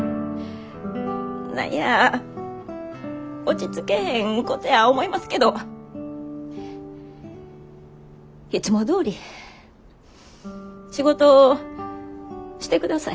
何や落ち着けへんことや思いますけどいつもどおり仕事してください。